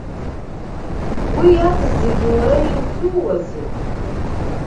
Уи иаҵаз зегьы уара ирзууазеи.